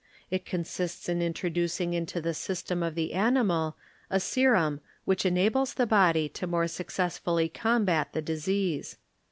It consists in introducing into the system of the animal a serum which enables the body to more successfully combat the disease.